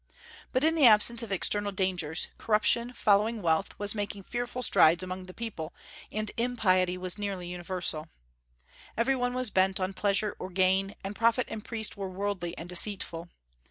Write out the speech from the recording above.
But in the absence of external dangers corruption, following wealth, was making fearful strides among the people, and impiety was nearly universal. Every one was bent on pleasure or gain, and prophet and priest were worldly and deceitful.